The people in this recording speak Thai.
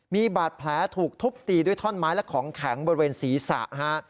มีบาดแผลถูกทุบตีด้วยท่อนไม้และของแข็งบริเวณศีรษะฮะ